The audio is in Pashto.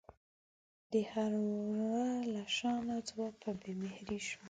د هر وره له شانه ځواب په بې مهرۍ شوم